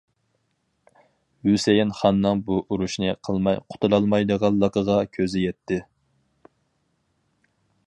ھۈسەيىن خاننىڭ بۇ ئۇرۇشنى قىلماي قۇتۇلالمايدىغانلىقىغا كۆزى يەتتى.